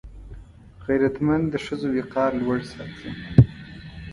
غیرتمند د ښځو وقار لوړ ساتي